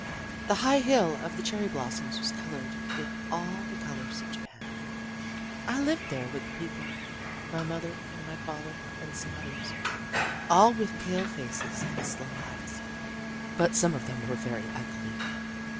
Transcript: "The high hill of the cherry blossoms was colored with all the colors of Japan. "I lived there with people my mother and my father and some others all with pale faces and sloe eyes. "But some of them were very ugly.